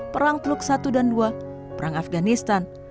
perang teluk i dan ii perang afganistan